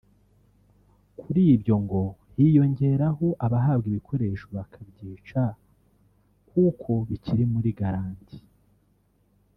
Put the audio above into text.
Kuri ibyo ngo hiyongeraho abahabwa ibikoresho bakabyica kuko bikiri muri garanti